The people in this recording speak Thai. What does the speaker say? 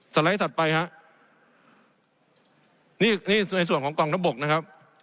ไลด์ถัดไปฮะนี่นี่ในส่วนของกองทัพบกนะครับ